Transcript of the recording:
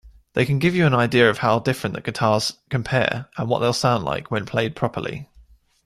They can give you an idea of how the different guitars compare and what they'll sound like when played properly.